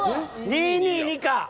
２２２か。